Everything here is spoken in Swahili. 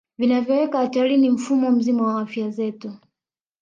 Vinavyoweka hatarini mfumo mzima wa afya zetu